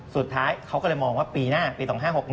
สุดท้ายเขาก็เลยมองว่าปีหน้าปี๒๕๖๑